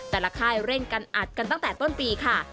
ค่ายเร่งกันอัดกันตั้งแต่ต้นปีค่ะ